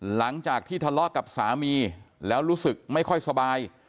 หลังจากที่ทะเลาะกับสามีแล้วรู้สึกไม่ค่อยสบาย